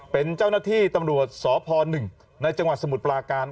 เป็นเจ้าหน้าที่ตำรวจสพ๑ในจังหวัดสมุทรปลาการ